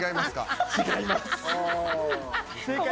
違いますか？